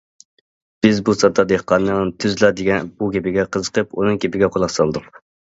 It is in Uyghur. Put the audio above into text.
بىز بۇ ساددا دېھقاننىڭ تۈزلا دېگەن بۇ گېپىگە قىزىقىپ، ئۇنىڭ گېپىگە قۇلاق سالدۇق.